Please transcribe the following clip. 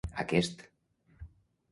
Aquest